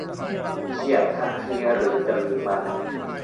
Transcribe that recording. เขียนทันทีหรือจะลืมมัน